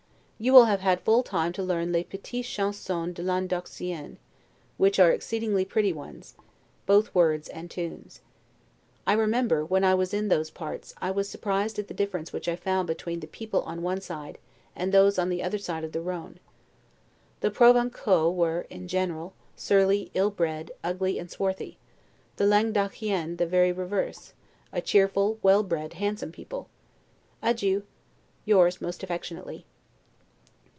You will have had full time to learn 'les petites chansons Languedociennes', which are exceedingly pretty ones, both words and tunes. I remember, when I was in those parts, I was surprised at the difference which I found between the people on one side, and those on the other side of the Rhone. The Provencaux were, in general, surly, ill bred, ugly, and swarthy; the Languedocians the very reverse: a cheerful, well bred, handsome people. Adieu! Yours most affectionately.